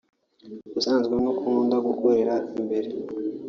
ubusanzwe ni uko nkunda gukorera imbere